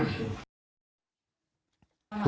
โดนปืนค่ะ